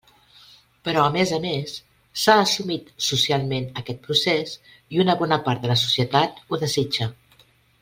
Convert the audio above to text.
Però a més a més s'ha assumit socialment aquest procés i una bona part de la societat ho desitja.